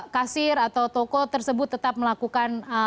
kasir atau toko tersebut tetap melakukan